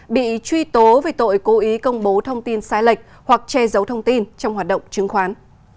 bị truy tố về tội cố ý công bố thông tin sai lệch hoặc che giấu thông tin trong hoạt động chứng khoán